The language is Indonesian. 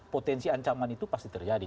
potensi ancaman itu pasti terjadi